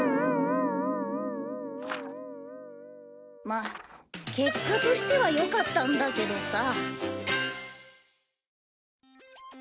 まあ結果としては良かったんだけどさ。